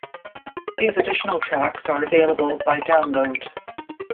These additional tracks are available by download.